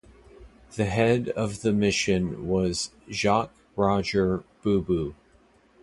The head of the mission was Jacques-Roger Booh-Booh.